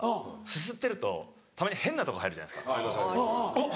すすってるとたまに変なとこ入るじゃないですかゴホっ！